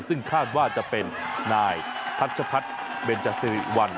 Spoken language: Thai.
ซึ่งคาดว่าจะเป็นนายทัชพัฒน์เบนจสิริวัล